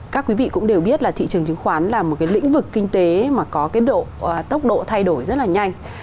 các quý vị cũng đều biết là thị trường chứng khoán là một cái lĩnh vực kinh tế mà có cái tốc độ thay đổi rất là nhanh